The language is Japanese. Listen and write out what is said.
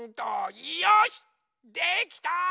よしできた！